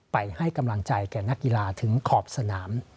ไปให้กำลังใจแก่นักกีฬาถึงขอบสนาม